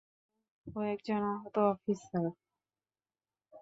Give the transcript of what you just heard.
ও একজন আহত অফিসার।